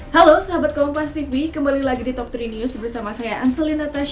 halo sahabat kompastv kembali lagi di top tiga news bersama saya anseli natasha